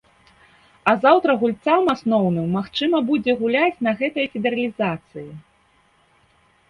А заўтра гульцам асноўным магчыма будзе гуляць на гэтай федэралізацыі.